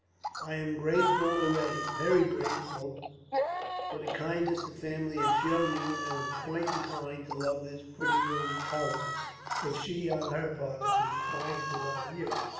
I am grateful already, very grateful for the kindness the family have shown you; and am quite inclined to love this pretty young countess, if she, on her part, is inclined to love you.